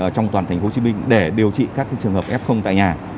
trong toàn thành phố hồ chí minh để điều trị các trường hợp f tại nhà